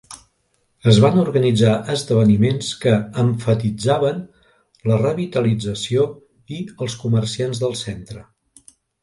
Es van organitzar esdeveniments que emfatitzaven la revitalització i els comerciants del centre.